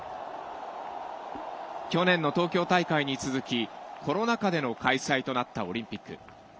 去年の東京大会に続きコロナ禍での開催となったオリンピック。